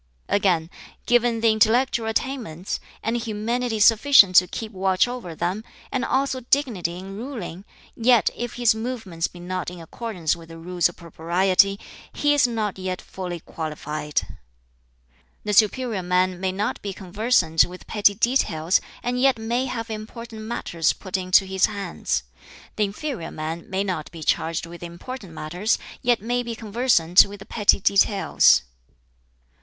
"Again, given the intellectual attainments, and humanity sufficient to keep watch over them, and also dignity in ruling, yet if his movements be not in accordance with the Rules of Propriety, he is not yet fully qualified. "The superior man may not be conversant with petty details, and yet may have important matters put into his hands. The inferior man may not be charged with important matters, yet may be conversant with the petty details.